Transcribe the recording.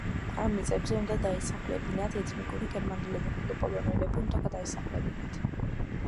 ამ მიწებზე უნდა დაესახლებინათ ეთნიკური გერმანელები, ხოლო პოლონელები უნდა გადაესახლებინათ.